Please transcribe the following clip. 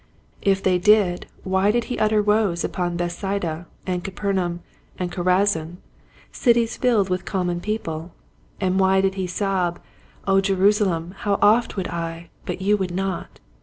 If they did why did he utter woes upon Bethsaida and Capernaum and Chorazin, cities filled with common people, and why did he sob, *'0 Jerusalem, how oft would I, but you would not